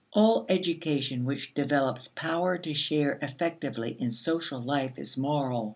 All education which develops power to share effectively in social life is moral.